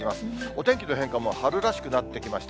天気の変化も春らしくなってきました。